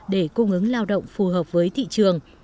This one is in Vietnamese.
để cung ứng lao động phù hợp với thị trường